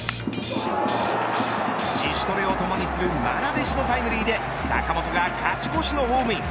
自主トレをともにする愛弟子のタイムリーで坂本が勝ち越しのホームイン。